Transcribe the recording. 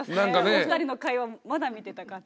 お二人の会話まだ見てたかった。